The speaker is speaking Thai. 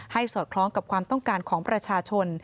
สอดคล้องกับความต้องการของประชาชน